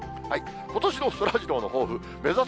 ことしのそらジローの抱負、目指せ！